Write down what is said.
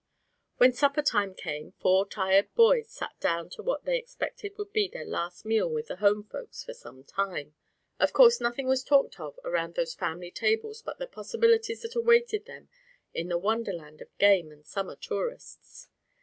When supper time came four tired boys sat down to what they expected would be their last meal with the home folks for some time. Of course nothing was talked of around those family tables but the possibilities that awaited them in that wonderland of game and summer tourists.